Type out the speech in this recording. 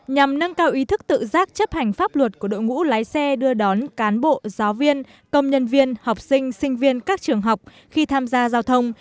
nhằm nâng cao ý thức tự giác chấp hành pháp luật của đội ngũ lái xe đưa đón cán bộ giáo viên công nhân viên học sinh sinh viên các trường học khi tham gia giao thông